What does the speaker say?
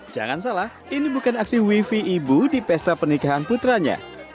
jangan salah ini bukan aksi wifi ibu di pesta pernikahan putranya